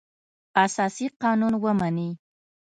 اساسي قانون ومني.